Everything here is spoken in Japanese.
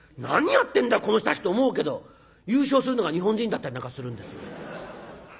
「何やってんだこの人たち」って思うけど優勝するのが日本人だったりなんかするんですよ。